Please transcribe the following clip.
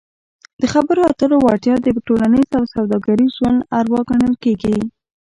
د خبرو اترو وړتیا د ټولنیز او سوداګریز ژوند اروا ګڼل کیږي.